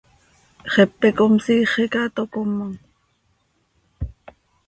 Xepe com siixi ca toc comom.